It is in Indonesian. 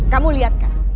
kamu lihat kan